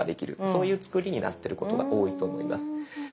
そういう作りになってることが多いと思います。